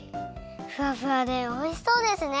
ふわふわでおいしそうですね！